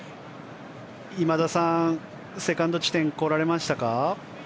今田さん、セカンド地点に来られましたか？